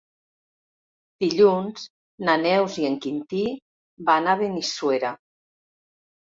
Dilluns na Neus i en Quintí van a Benissuera.